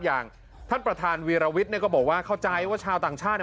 อย่างท่านประธานวีรวิทย์ก็บอกว่าเข้าใจว่าชาวต่างชาติ